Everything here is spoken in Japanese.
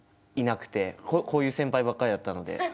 こういう先輩ばっかりだったので。